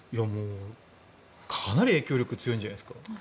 かなり影響力強いんじゃないですか。